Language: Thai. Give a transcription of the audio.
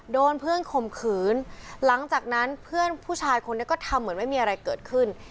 โดนเพื่อนข่มขืนหลังจากนั้นเพื่อนผู้ชายคนนี้ก็ทำเหมือนไม่มีอะไรเกิดขึ้น